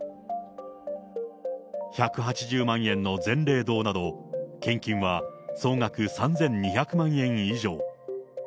１８０万円の善霊堂など、献金は総額３２００万円以上。